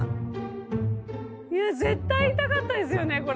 絶対痛かったですよねこれ。